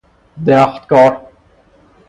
درختکار